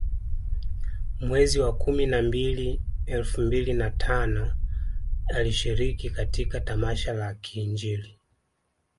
Mwezi wa kumi na mbili elfu mbili na tano alishiriki katika tamasha la kiinjili